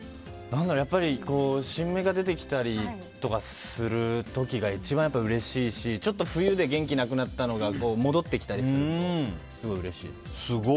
やっぱり新芽が出てきたりとかする時が一番うれしいし冬で元気がなくなったのが戻ってきたりするとすごいうれしいですね。